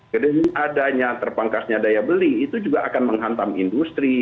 dengan adanya terpangkasnya daya beli itu juga akan menghantam industri